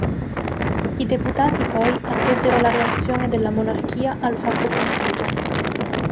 I deputati, poi, attesero la reazione della monarchia al fatto compiuto.